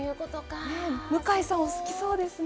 向井さん、好きそうですね。